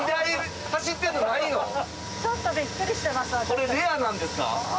これレアなんですか？